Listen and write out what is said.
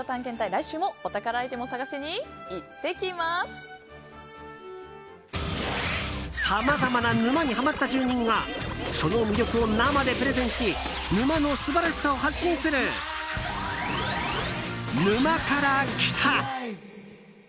来週もお宝アイテムを探しにさまざまな沼にハマった住人がその魅力を生でプレゼンし沼の素晴らしさを発信する「沼から来た。」。